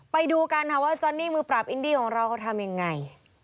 ไปดูกันค่ะว่าจอนนี่มือปราบอินดี้ของเราเขาทำยังไง